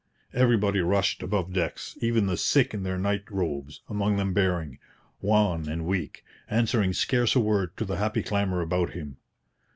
Everybody rushed above decks, even the sick in their night robes, among them Bering, wan and weak, answering scarce a word to the happy clamour about him.